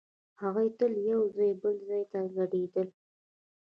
هغوی تل له یوه ځایه بل ځای ته کډېدل.